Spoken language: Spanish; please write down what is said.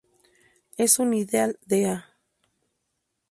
Es un ideal de "A".